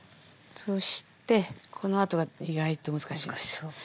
そしてこのあとが意外と難しいんです。